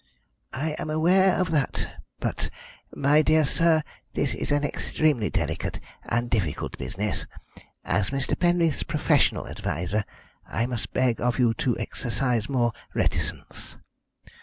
"I am aware of that, but, my dear sir, this is an extremely delicate and difficult business. As Mr. Penreath's professional adviser, I must beg of you to exercise more reticence."